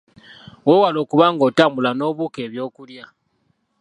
Weewale okuba nga otambula n’obuuka ebyokulya.